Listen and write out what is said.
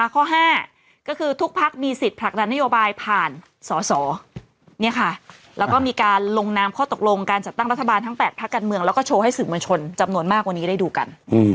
ข้อห้าคือทุกภาคมีสิทธิพลักษณะนโยบายผ่านสอสอและมีการลงนามข้อตกลงการจัดตั้งรัฐบาลทั้งแปดภาคกันเมืองและโชว์ให้สื่อมวลชนจำนวนมากว่านี้ได้ดูกัน